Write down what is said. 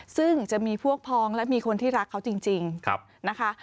ซึ่งจะมีพวกพองและมีคนที่รักเขาจริงนะคะ